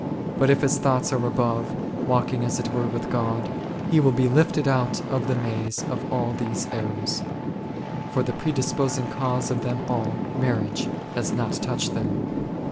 But if his thoughts are above, walking as it were with God, he will be lifted out of the maze of all these errors , for , the predisposing cause of them all, marriage, has not touched him.